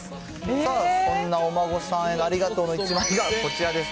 さあ、そんなお孫さんへのありがとうの１枚がこちらです。